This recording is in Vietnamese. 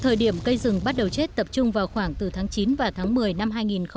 thời điểm cây rừng bắt đầu chết tập trung vào khoảng từ tháng chín và tháng một mươi năm hai nghìn một mươi chín